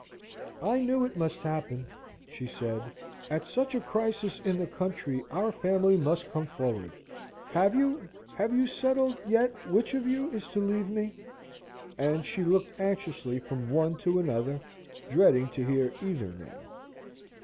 "I knew it must happen," she said; "at such a crisis in the country our family must come forward. Have you have you settled yet which of you is to leave me?" and she looked anxiously from one to another, dreading to hear either name.